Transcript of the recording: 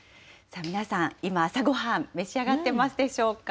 皆さん、今、朝ごはん、召し上がってますでしょうか。